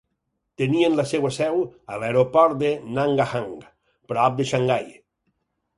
Tenien la seva seu a l'aeroport de Nangahang, prop de Xangai.